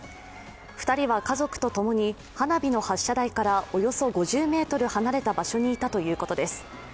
２人は家族と共に花火の発射台からおよそ５０ｍ離れた場所にいたということです。